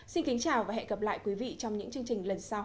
xin kính chào và hẹn gặp lại quý vị trong những chương trình lần sau